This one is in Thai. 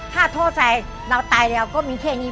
ถ้าโทษใจเราตายแล้วก็มีแค่นี้